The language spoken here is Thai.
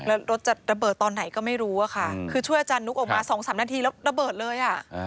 แล้วรถจะระเบิดตอนไหนก็ไม่รู้อะค่ะคือช่วยอาจารย์นุ๊กออกมา๒๓นาทีแล้วระเบิดเลยอ่ะ